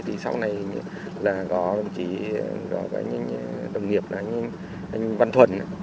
thì sau này là có anh anh đồng nghiệp là anh văn thuần